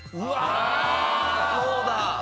そうだ！